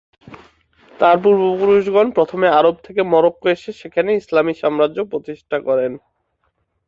তার পূর্বপুরুষগণ প্রথমে আরব থেকে মরক্কো এসে সেখানে ইসলামি সাম্রাজ্য প্রতিষ্ঠা করেন।